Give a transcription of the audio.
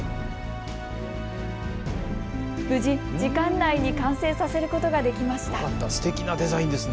無事、時間内に完成させることができました。